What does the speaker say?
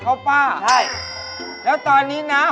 เจ้าไหน